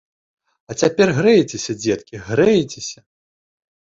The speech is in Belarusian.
А цяпер грэйцеся, дзеткі, грэйцеся!